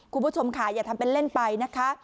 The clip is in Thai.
คุณผู้ชมค่ะอย่าทำเป็นเล่นไปนะคะ